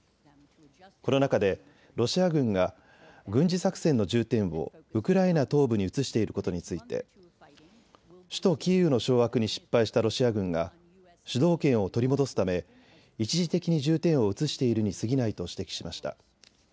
この中でロシア軍が軍事作戦の重点をウクライナ東部に移していることについて首都キーウの掌握に失敗したロシア軍が主導権を取り戻すため一時的に重点を移しているに過ぎないと指摘しました。